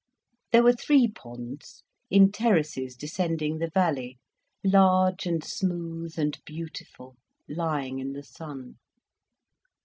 There were three ponds, in terraces descending the valley, large and smooth and beautiful, lying in the sun.